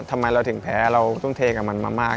ทำไมเราถึงแพ้เราต้องเทกับมันมามาก